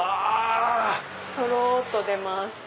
とろっと出ます。